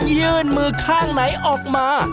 ยื่นมือข้างไหนออกมา